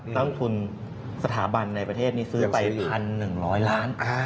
ต้นทุนสถาบันในประเทศนี้ซื้อไป๑๑๐๐ล้าน